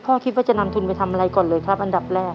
คิดว่าจะนำทุนไปทำอะไรก่อนเลยครับอันดับแรก